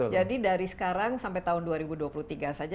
jadi dari sekarang sampai tahun dua ribu dua puluh tiga saja